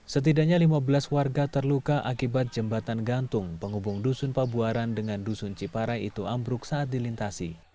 setidaknya lima belas warga terluka akibat jembatan gantung penghubung dusun pabuaran dengan dusun ciparai itu ambruk saat dilintasi